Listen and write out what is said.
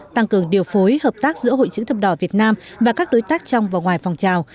tăng cường điều phối hợp tác giữa hội chữ thập đỏ việt nam và các đối tác trong và ngoài phòng trào